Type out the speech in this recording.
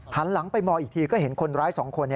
หันหลังไปมองอีกทีก็เห็นคนร้าย๒คน